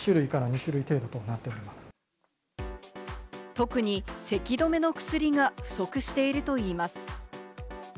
特に咳止めの薬が不足しているといいます。